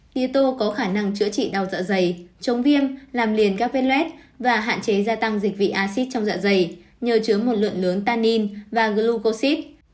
tiết tô có khả năng chữa trị đau dạ dày chống viêm làm liền các vết luet và hạn chế gia tăng dịch vị acid trong dạ dày nhờ chứa một lượng lớn tannin và glucosid